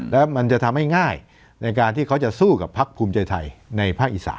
แล้วมันจะทำให้ง่ายในการที่เขาจะสู้กับพักภูมิใจไทยในภาคอีสาน